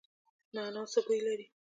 نعناع څه بوی لري؟